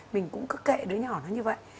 mình cũng cứ kệ đứa nhỏ nó như vậy